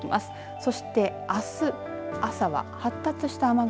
そして、あす朝は発達した雨雲